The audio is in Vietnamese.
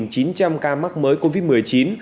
năm mươi năm chín trăm linh ca mắc mới covid một mươi chín